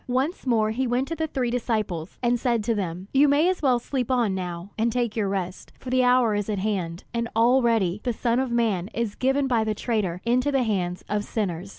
Once more he went to the three disciples, and said to them: "You may as well sleep on now, and take your rest, for the hour is at hand; and already the Son of man is given by the traitor into the hands of sinners.